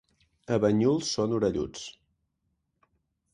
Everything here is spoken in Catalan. A Banyuls són orelluts.